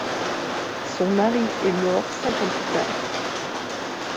Son mari est mort cinq ans plus tard.